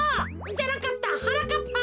じゃなかったはなかっぱ。